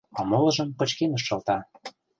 А молыжым пычкемыш шылта.